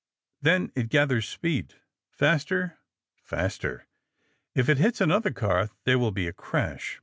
Then it gathers speed faster, faster. If it hits another car there will be a crash.